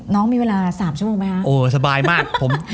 น้องมีเวลา๓ชั่วโมงไหมครับ